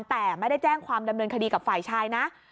แต่ไม่ได้แจ้งความดำเนินคดีกับฝ่ายชายนะ